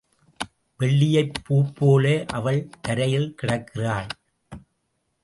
வெள்ளிய பூப்போல அவள் தரையில் கிடக்கிறாள்.